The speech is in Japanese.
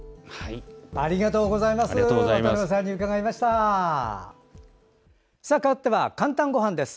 ありがとうございます。